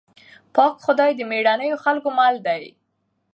پاک خدای د مېړنيو خلکو مل دی.